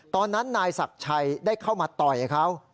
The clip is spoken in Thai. นายศักดิ์ชัยได้เข้ามาต่อยเขา